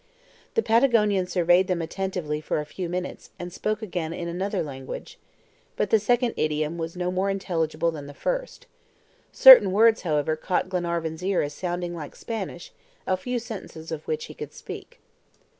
The Patagonian surveyed them attentively for a few minutes, and spoke again in another language. But this second idiom was no more intelligible than the first. Certain words, however, caught Glenarvan's ear as sounding like Spanish, a few sentences of which he could speak.